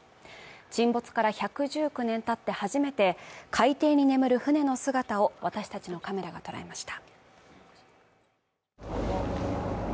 沈没から１１９年たって初めて海底に眠る船の姿を私たちのカメラが捉えました。